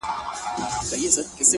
اوس چي خبري كوم”